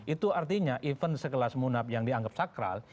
itu artinya event sekelas munaf yang dianggap sakral